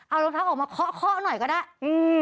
เอารองเท้าออกมาเคาะเคาะหน่อยก็ได้อืม